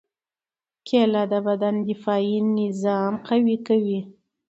کېله د بدن دفاعي نظام قوي کوي.